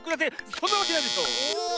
そんなわけないでしょう！え。